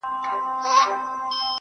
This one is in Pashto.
شېرينې ستا د تورو سترگو په کمال کي سته,